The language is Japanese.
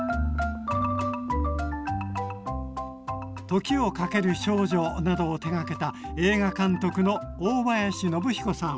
「時をかける少女」などを手がけた映画監督の大林宣彦さん。